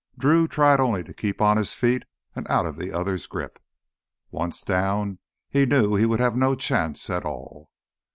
Drew tried only to keep on his feet and out of the other's grip. Once down, he knew he would have no chance at all.